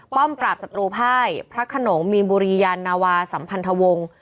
ป้อมปราปศัตรูไพรพระขนงมีมบุรียรณ์นวาสัมพันธวง